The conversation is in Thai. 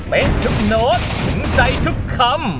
เล้งทุกโน้ตถึงใจทุกคำ